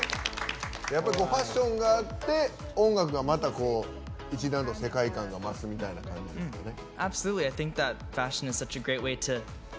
やっぱりファッションがあって音楽が、また一段と世界観が増すみたいな感じですね。